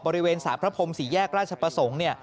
บริเวณสารพระพรมสี่แยกราชประสงค์